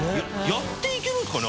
やっていけるんですかね？